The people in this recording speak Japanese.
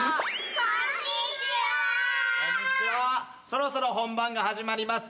そろそろ本番が始まります。